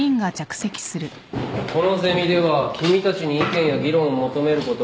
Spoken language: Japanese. このゼミでは君たちに意見や議論を求めることはない。